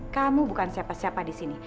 kamu bukan siapa siapa disini